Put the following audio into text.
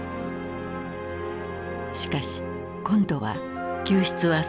しかし今度は救出は成功した。